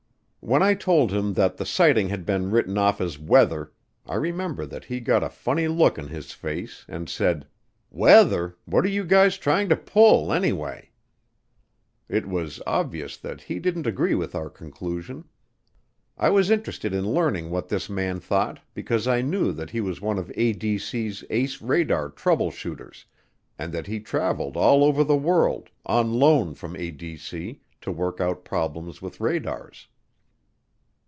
When I told him that the sighting had been written off as weather, I remember that he got a funny look on his face and said, "Weather! What are you guys trying to pull, anyway?" It was obvious that he didn't agree with our conclusion. I was interested in learning what this man thought because I knew that he was one of ADC's ace radar trouble shooters and that he traveled all over the world, on loan from ADC, to work out problems with radars.